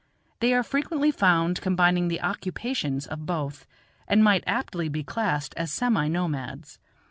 They are frequently found combining the occupations of both, and might aptly be classed as semi nomads.